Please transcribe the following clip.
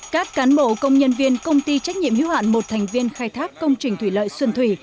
các cán bộ công nhân viên công ty trách nhiệm hiếu hạn một thành viên khai thác công trình thủy lợi xuân thủy